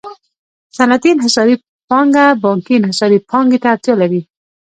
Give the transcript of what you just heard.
صنعتي انحصاري پانګه بانکي انحصاري پانګې ته اړتیا لري